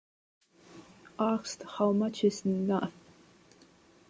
Asked how much is enough?